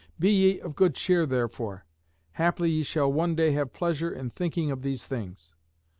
Be ye of good cheer therefore. Haply ye shall one day have pleasure in thinking of these things.